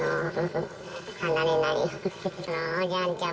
離れないように。